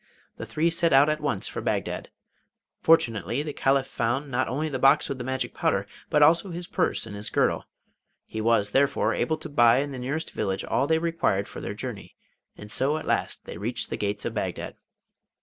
The three set out at once for Bagdad. Fortunately, the Caliph found not only the box with the magic powder, but also his purse in his girdle; he was, therefore, able to buy in the nearest village all they required for their journey, and so at last they reached the gates of Bagdad.